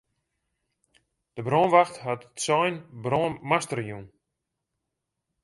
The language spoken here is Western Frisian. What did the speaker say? De brânwacht hat it sein brân master jûn.